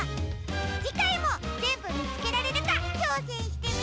じかいもぜんぶみつけられるかちょうせんしてみてね！